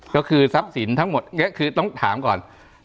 ก็คือทรัพย์สินทั้งหมดนี้คือต้องถามก่อน